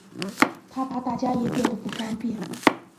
她怕大家也变得不方便